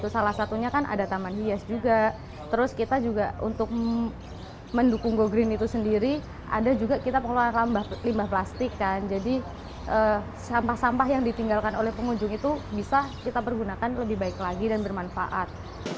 salah satunya kan ada taman hias juga terus kita juga untuk mendukung go green itu sendiri ada juga kita pengelolaan limbah plastik kan jadi sampah sampah yang ditinggalkan oleh pengunjung itu bisa kita pergunakan lebih baik lagi dan bermanfaat